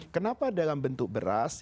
kenapa dalam bentuk beras